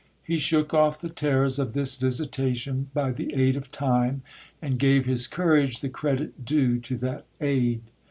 He shook off the terrors of this visitation by the aid of time, and gave his courage the credit due to that aid.